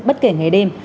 bất kể ngày đêm